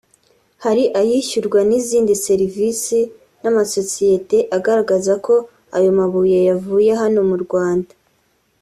hari ayishyurwa n’izindi serivisi n’amasosiyete agaragaza ko ayo mabuye yavuye hano mu Rwanda